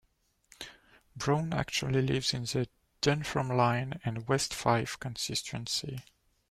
Brown actually lives in the Dunfermline and West Fife constituency.